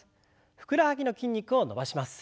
ふくらはぎの筋肉を伸ばします。